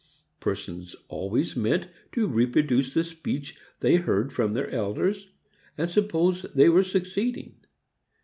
Persons always meant to reproduce the speech they heard from their elders and supposed they were succeeding.